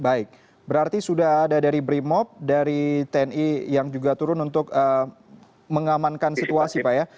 baik berarti sudah ada dari brimop dari tni yang juga turun untuk mengamankan situasi pak ya